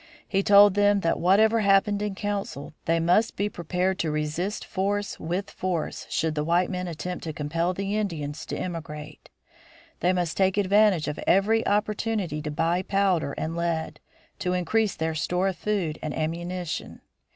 He told them that, whatever happened in council, they must be prepared to resist force with force should the white men attempt to compel the Indians to emigrate. They must take advantage of every opportunity to buy powder and lead, to increase their store of food and ammunition.